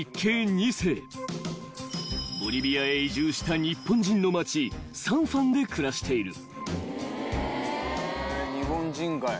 ［ボリビアへ移住した日本人の町サンフアンで暮らしている］